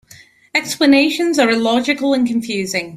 Explanations are illogical and confusing.